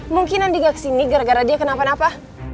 mungkin andi gak kesini gara gara dia kenapa napa